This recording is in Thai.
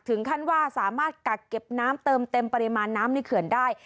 ถึงขั้นว่าสามารถกักเก็บน้ำเติมเต็มปริมาณน้ำในเขื่อนได้